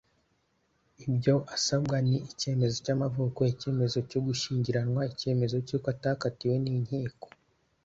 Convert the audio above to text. Ibyo asabwa ni icyemezo cy'amavuko, Icyemezo cy'ugushyingiranwa , Icyemezo cy'uko atakatiwe n'inkiko,